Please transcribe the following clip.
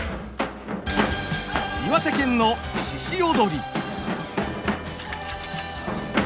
岩手県の鹿躍。